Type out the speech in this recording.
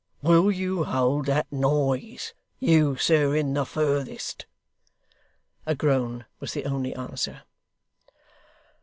WILL you hold that noise, you sir in the furthest?' A groan was the only answer.